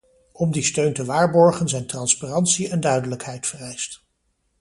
Om die steun te waarborgen zijn transparantie en duidelijkheid vereist.